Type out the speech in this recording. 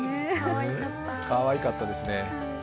かわいかったですね。